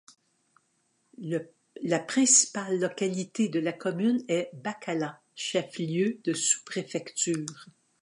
La principale localité de la commune est Bakala, chef-lieu de sous-préfecture.